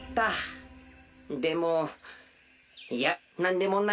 でもいやなんでもない。